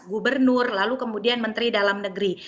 gubernur lalu kemudian menteri dalam negeri